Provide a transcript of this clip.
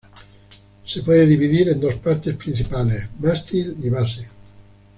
Se puede dividir en dos partes principales, mástil y base.